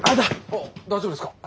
あっ大丈夫ですか？